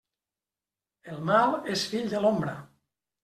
El mal és fill de l'ombra.